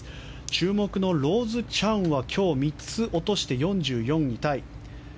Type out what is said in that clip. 注目のローズ・チャンは今日３つ落として４４位タイ。